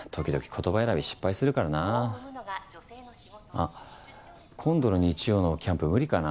あっ今度の日曜のキャンプ無理かな。